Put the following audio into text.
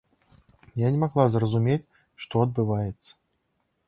Я не магла зразумець, што адбываецца.